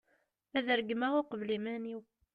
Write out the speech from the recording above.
ad regmeɣ uqbel iman-iw